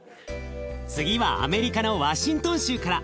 次はアメリカのワシントン州から。